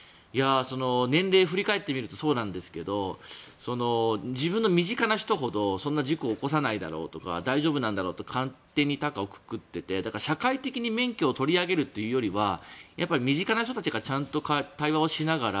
年齢、振り返ってみるとそうなんですが自分の身近な人ほどそんな事故を起こさないだろうとか大丈夫なんだろうと勝手に高をくくっていてだから社会的に免許を取り上げるというよりは身近な人たちがちゃんと対話をしながら